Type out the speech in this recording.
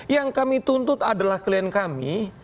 yang kami tuntut adalah klien kami